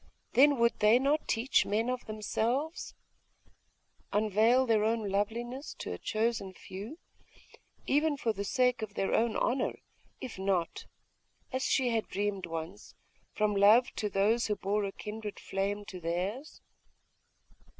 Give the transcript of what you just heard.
Then would they not teach men of themselves, unveil their own loveliness to a chosen few, even for the sake of their own honour, if not, as she had dreamed once, from love to those who bore a kindred flame to theirs?....